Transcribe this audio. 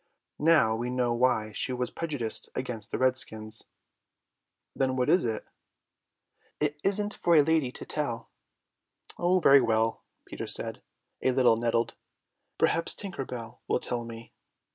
Now we know why she was prejudiced against the redskins. "Then what is it?" "It isn't for a lady to tell." "Oh, very well," Peter said, a little nettled. "Perhaps Tinker Bell will tell me."